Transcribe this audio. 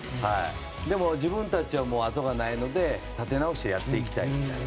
でも、自分たちは後がないので立て直してやっていきたいみたいな。